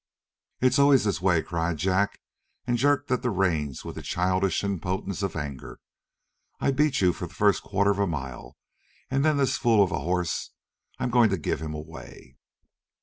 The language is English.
"It's always this way," cried Jack, and jerked at the reins with a childish impotence of anger. "I beat you for the first quarter of a mile and then this fool of a horse I'm going to give him away."